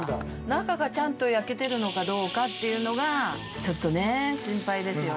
中がちゃんと焼けてるのかどうかっていうのがちょっとね心配ですよね。